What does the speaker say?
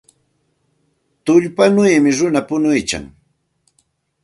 Tullpawmi runa punuykan.